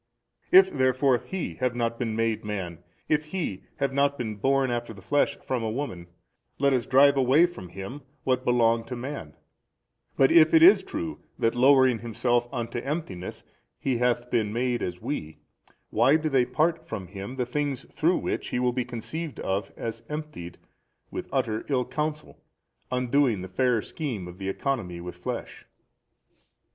If therefore He have not been made man, if He have not been born after the flesh, from a woman, let us drive away from Him what belong to man: but if it is true that lowering Himself unto emptiness He hath been made as we, why do they part from Him the things through, which He will be conceived of as emptied, with utter ill counsel undoing the fair scheme of the Economy with flesh?